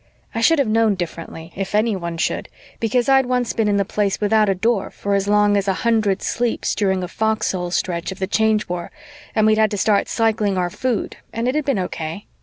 I should have known differently, if anybody should, because I'd once been in the Place without a Door for as long as a hundred sleeps during a foxhole stretch of the Change War and we'd had to start cycling our food and it had been okay.